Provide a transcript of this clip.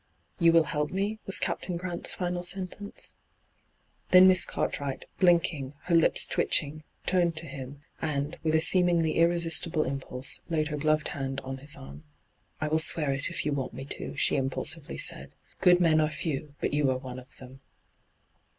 ' You will help me V was Captain Grant's final sentence. Then Misa Cartwright, blinking, her lips twitching, turned to him, and, with a seem ingly irresistible impulse, laid her gloved hand on his arm. ' I will swear it if you want me to,' she impulsively said. ' Good men are few, but you are one of them.'